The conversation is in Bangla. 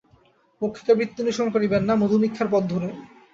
মক্ষিকা-বৃত্তি অনুসরণ করিবেন না, মধুমক্ষিকার পথ ধরুন।